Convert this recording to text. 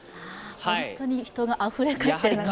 本当に人があふれかえっていますね。